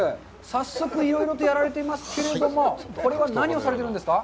早速いろいろとやられてますけれども、これは何をされてるんですか。